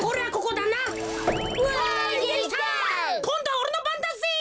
こんどはおれのばんだぜ。